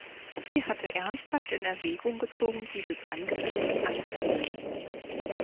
Sie hatte ernsthaft in Erwägung gezogen, dieses Angebot anzunehmen.